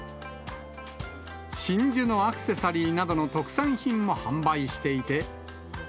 真珠のアクセサリーなどの特産品も販売していて。